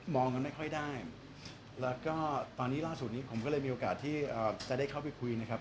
กันไม่ค่อยได้แล้วก็ตอนนี้ล่าสุดนี้ผมก็เลยมีโอกาสที่จะได้เข้าไปคุยนะครับ